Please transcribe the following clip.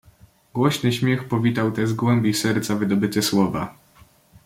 "Głośny śmiech powitał te, z głębi serca wydobyte, słowa."